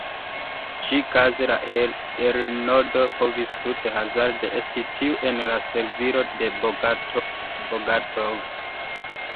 Ĉi-kaze la elirnodo povis tute hazarde esti tiu en la servilo de Bogatov.